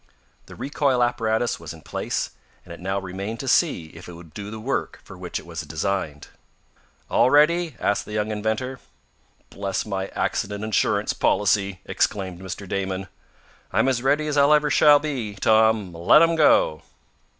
The recoil apparatus was in place, and it now remained to see if it would do the work for which it was designed. "All ready?" asked the young inventor. "Bless my accident insurance policy!" exclaimed Mr. Damon. "I'm as ready as ever I shall be, Tom. Let 'em go!"